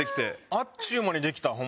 あっちゅう間にできたホンマに。